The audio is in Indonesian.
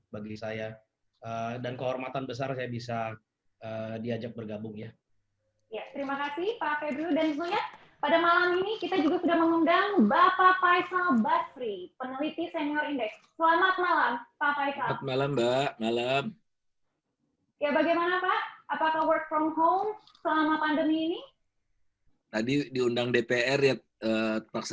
bagi saya dan kehormatan besar saya bisa diajak bergabung ya terima kasih pak febrio dan semuanya